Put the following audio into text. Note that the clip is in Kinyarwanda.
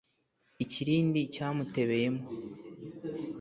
Ikirindi cyamutebeye mo